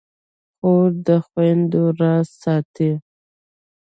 خور د خویندو راز ساتي.